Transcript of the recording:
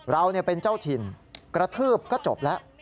เราเป็นเจ้าถิ่นกระทืบก็จบแล้ว